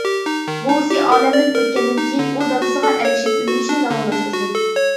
بوۋىسى ئالەمدىن ئۆتكەندىن كېيىن ئۇ دادىسىغا ئەگىشىپ ئۆگىنىشنى داۋاملاشتۇردى.